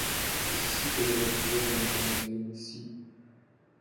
Et c’est ici que je reposerai dans l’éternel sommeil, si. .